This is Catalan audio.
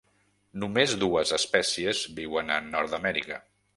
Només dues espècies viuen a Nord-amèrica.